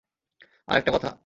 আর একটা কথা।